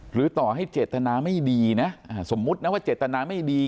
ต่อให้เจตนาไม่ดีนะสมมุตินะว่าเจตนาไม่ดี